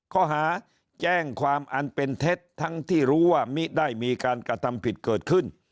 ข้อหาแจ้งความอันเป็นเท็จทั้งที่รู้ว่ามิได้มีการกระทำผิดเกิดขึ้น